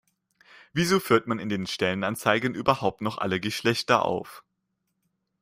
Wieso führt man in den Stellenanzeigen überhaupt noch alle Geschlechter auf?